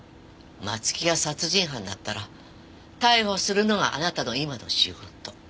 松木が殺人犯だったら逮捕するのがあなたの今の仕事。